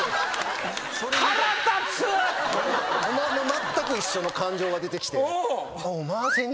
まったく一緒の感情が出てきて。